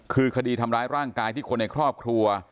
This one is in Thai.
คือคดีทำร้ายร่างกายที่คนในครอบครัว